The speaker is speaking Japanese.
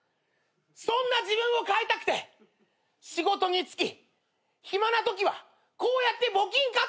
そんな自分を変えたくて仕事に就き暇なときはこうやって募金活動をしています。